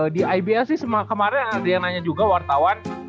di ibs kemarin ada yang nanya juga wartawan